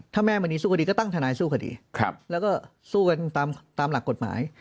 ถ้าแม่มณีสู้คดีก็ตั้งทนายสู้คดีแล้วก็สู้กันตามหลักกฎหมาย